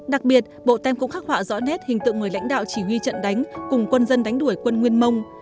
đặc biệt bộ tem cũng khắc họa rõ nét hình tượng người lãnh đạo chỉ huy trận đánh cùng quân dân đánh đuổi quân nguyên mông